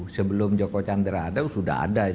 sebelum joko chandra ada sudah ada